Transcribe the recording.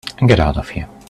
Get out of here.